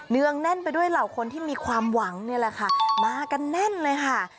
เนื่องแน่นไปด้วยเหล่าคนที่มีความหวังนี่แหละค่ะมากันแน่นเลยค่ะ